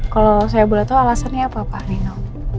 kalau saya boleh tahu alasannya apa pak final